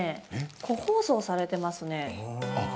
個包装されてますね。